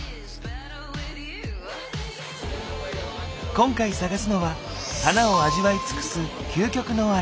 今回探すのは花を味わい尽くす究極のアレンジ。